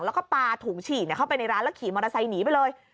แล้วก็ปลาถุงฉี่เข้าไปในร้านแล้วขี่มอเตอร์ไซค์หนีไปเลย